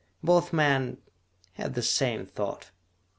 Both men had the same thought.